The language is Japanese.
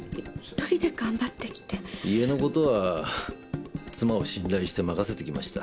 家のことは妻を信頼して任せてきました。